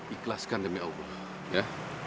ikhlaskan demi allah ya